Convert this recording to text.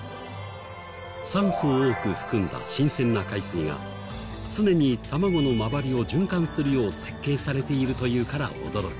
酸素を多く含んだ新鮮な海水が常に卵の周りを循環するよう設計されているというから驚き。